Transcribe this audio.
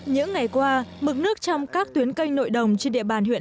những ngày qua mực nước trong các tuyến canh nội đồng trên địa bàn huyện